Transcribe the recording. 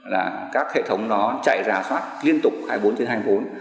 là các hệ thống nó chạy ra xoát liên tục hai mươi bốn trên hai mươi bốn